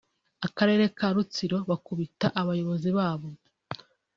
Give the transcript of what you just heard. Akarere ka Rutsiro bakubita abayobozi babo